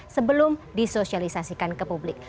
sebelum disosialisasikan ke publik